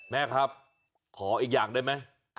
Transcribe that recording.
แม่ครับขออีกอย่างได้ไหม